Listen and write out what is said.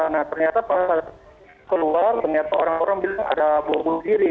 nah ternyata pas keluar ternyata orang orang bilang ada bom bunuh diri